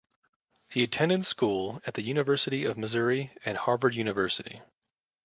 He attended school at the University of Missouri and Harvard University.